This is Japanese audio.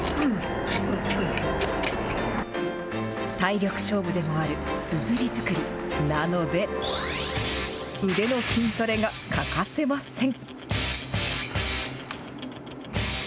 体力勝負でもあるすずりづくりなので腕の筋トレが欠かせません。